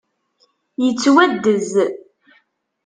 Yettwaddez.